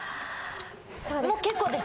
もう結構です。